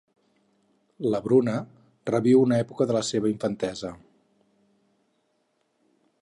La Bruna reviu una època de la seva infantesa.